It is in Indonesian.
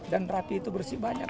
dan rapi itu bersih banyak